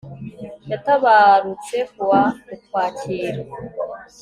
yatabarutse ku wa ukwakira